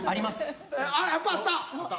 やっぱあった。